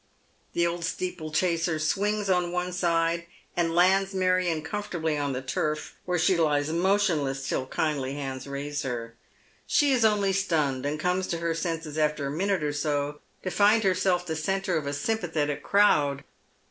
The old steeplechaser swings on one side and lands I\Iarion comfortably on the turf, where she lies motionless till kindly hands raise her. She is only stunned, and comes to her senses after a minute or so to find herself the centre of a sympathetic crowd.